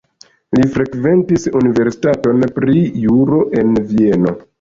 Li frekventis universitaton pri juro en Vieno.